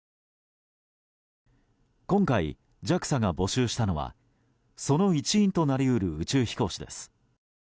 今回、ＪＡＸＡが募集したのはその一員となり得る宇宙飛行士です。